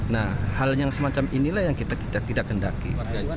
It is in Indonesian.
nah hal yang semacam inilah yang kita tidak kendaki